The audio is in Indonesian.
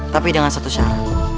tapi dengan satu syarat